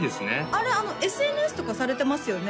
あれＳＮＳとかされてますよね？